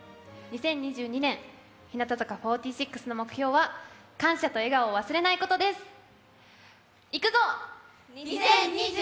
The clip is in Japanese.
２０２２年、日向坂４６の目標は感謝と笑顔を忘れないことです。